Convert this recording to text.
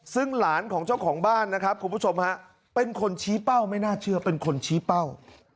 ซึ่งหลานของเจ้าของบ้านนะครับคุณผู้ชมฮะเป็นคนชี้เป้าไม่น่าเชื่อเป็นคนชี้เป้า